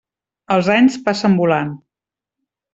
Els anys passen volant.